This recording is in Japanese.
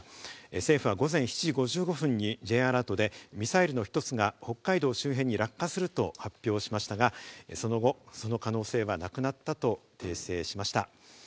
政府は午前７時５５分にＪアラートでミサイルの一つが北海道周辺に落下すると発表しましたが、その後、その可能性はなくなったと訂正しました。